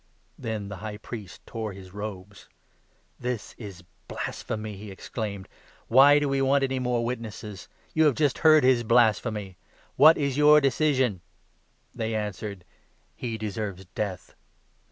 " Then the High Priest tore his robes. 65 "This is blasplumy!" he exclaimed. "Why do we want any more witnesses ? You have just heard his blasphemy ! What is your decision ?" 66 They answered :" He deserves death."